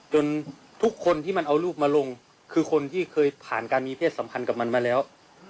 ทุกคนที่มันเอารูปมาลงคือคนที่เคยผ่านการมีเพศสัมพันธ์กับมันมาแล้ว